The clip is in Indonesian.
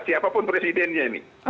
siapapun presidennya ini